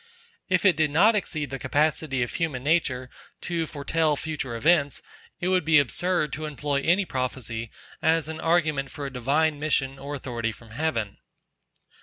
If it did not exceed the capacity of human nature to foretell future events, it would be absurd to employ any prophecy as an argument for a divine mission or authority from heaven.